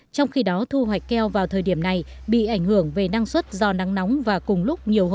trong khi đó thu hoạch keo vào thời điểm này bị ảnh hưởng về năng suất do nắng nóng và cùng lúc nhiều hộ